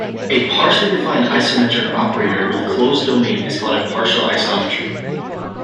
A partially defined isometric operator with closed domain is called a partial isometry.